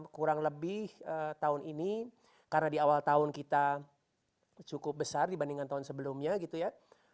kurang lebih tahun ini karena di awal tahun kita cukup besar dibandingkan tahun sebelumnya gitu ya